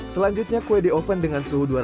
selanjutnya kue di oven dengan suhu dua